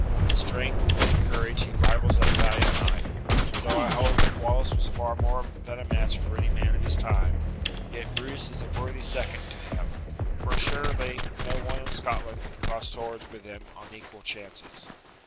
In strength and in courage he rivals that valiant knight, for though I hold that Wallace was far more than a match for any man of his time, yet Bruce is a worthy second to him, for assuredly no one in Scotland could cross swords with him on equal chances.